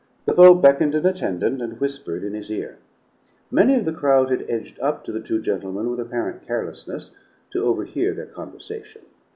The Beau beckoned an attendant, and whispered in his ear. Many of the crowd had edged up to the two gentlemen with apparent carelessness, to overhear their conversation.